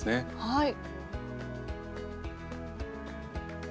はい。